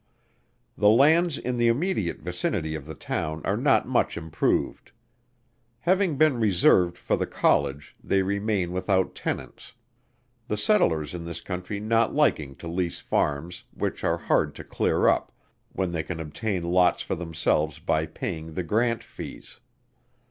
The lands in the immediate vicinity of the town are not much improved. Having been reserved for the College, they remain without tenants; the settlers in this country not liking to lease farms, which are hard to clear up, when they can obtain lots for themselves by paying the grant fees.